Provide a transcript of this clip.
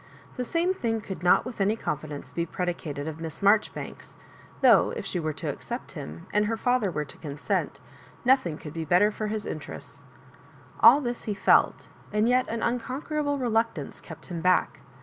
The same thing could not with any confidence be predi cated of Miss Marjoribanks, though, if she were to accept him, and her fi&ther were to con sent, nothing oould be better for his interests. All this he felt, aud yet an unconquerable reluctance kept him back.